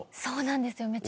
そうなんですよ。